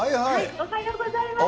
おはようございます。